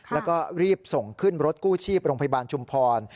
แล้วก็รีบส่งขึ้นรถกู้ชีพโรงพยาบาลชุมพร